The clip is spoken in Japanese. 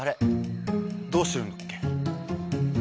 どうしてるんだっけ？